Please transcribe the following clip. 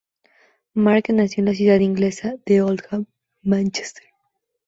Mark nació en la ciudad inglesa de Oldham, Mánchester.